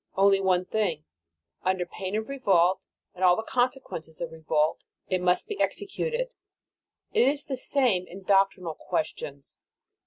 Only one thing. Under pain of revolt and all the consequences of revolt, it must be executed. It is the same in doctrinal questions.